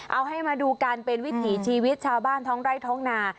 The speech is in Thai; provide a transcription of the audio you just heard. เอาให้มาดูกันเป็นวิถีชีวิตชาวบ้านท้องไร่ท้องนา